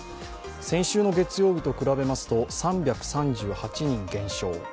先週の月曜日と比べますと３３８人減少。